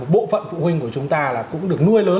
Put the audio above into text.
bộ phận phụ huynh của chúng ta cũng được nuôi lớn